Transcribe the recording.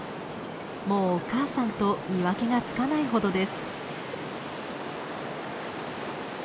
もうお母さんと見分けがつかないほどです。